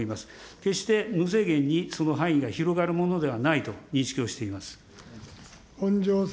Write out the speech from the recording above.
決して無制限に、その範囲が広がるものではないと認識をしています。